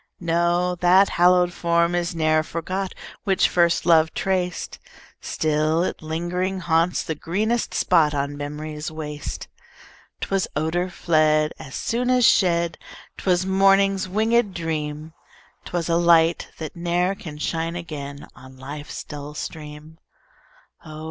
No, that hallowed form is ne'er forgot Which first love traced; Still it lingering haunts the greenest spot On memory's waste. 'Twas odor fled As soon as shed; 'Twas morning's winged dream; 'Twas a light, that ne'er can shine again On life's dull stream: Oh!